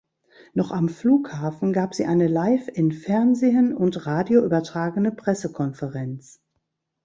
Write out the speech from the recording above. Noch am Flughafen gab sie eine live in Fernsehen und Radio übertragene Pressekonferenz.